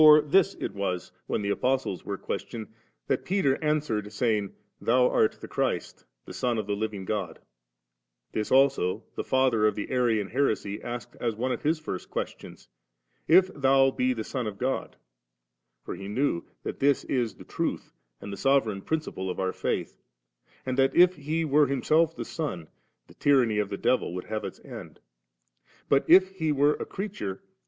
this It was, when Ae Apostles were questioned, that Peter answered, saying, 'TTiou art the Christ, the Son of the Living God «' This also the father 7 of the Arian heresy asked as one of his first questions'; * If Thou be the Son of God «;' for he knew that this is the truth and the sovereign principle of our faith ; and that, if He were Himself the Son, the t3rnmny of the devil would have its end ; but if He were a creature.